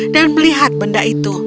dan melihat benda itu